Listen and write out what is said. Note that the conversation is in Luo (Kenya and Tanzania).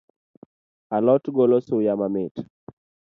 A lot golo suya mamit